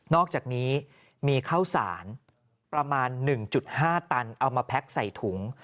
อกจากนี้มีข้าวสารประมาณ๑๕ตันเอามาแพ็คใส่ถุง